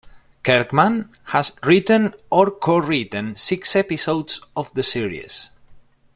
Kirkman has written or co-written six episodes of the series.